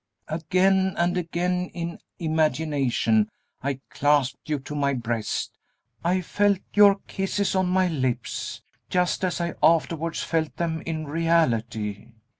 Again and again in imagination I clasped you to my breast, I felt your kisses on my lips, just as I afterwards felt them in reality."